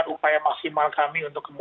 upaya maksimal kami untuk